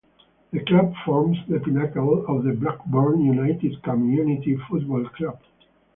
The Club forms the pinnacle of the Blackburn United Community Football Club.